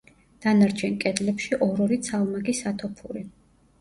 დანარჩენ კედლებში ორ-ორი ცალმაგი სათოფური.